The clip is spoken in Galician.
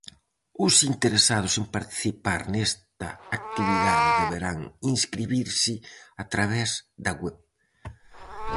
Os interesados en participar nesta actividade deberán inscribirse a través da web.